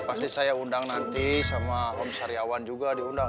pasti saya undang nanti sama om saryawan juga diundang